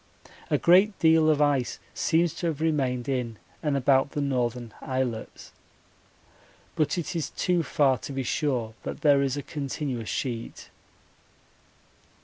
A great deal of ice seems to have remained in and about the northern islets, but it is too far to be sure that there is a continuous sheet.